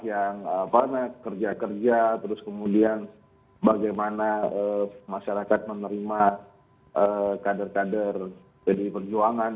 yang kerja kerja terus kemudian bagaimana masyarakat menerima kader kader pdi perjuangan